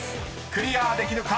クリアできるか？